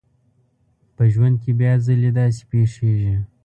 په ژوند کې بيا ځلې داسې پېښېږي.